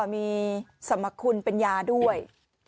มีสมคคลเป็นยาด้วย